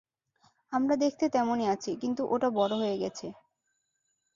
আমরা দেখতে তেমনই আছি, কিন্তু ওটা বড় হয়ে গেছে।